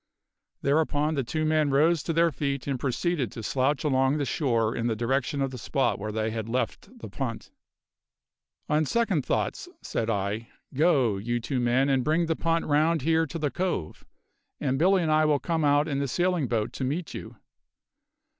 Thereupon the two men rose to their feet and proceeded to slouch along the shore in the direction of the spot where they had left the punt. "On second thoughts," said I, "go, you two men, and bring the punt round here to the cove; and Billy and I will come out in the sailing boat to meet you."